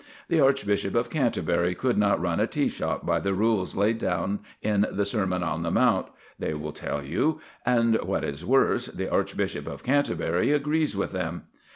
The Archbishop of Canterbury could not run a tea shop by the rules laid down in the Sermon on the Mount, they will tell you; and, what is worse, the Archbishop of Canterbury agrees with them.